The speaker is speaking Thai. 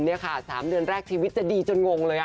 นี่ค่ะ๓เดือนแรกชีวิตจะดีจนงงเลย